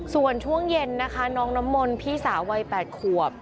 ส่วนช่วงเย็นนะคะน้องน้ำมนต์พี่สาววัย๘ขวบ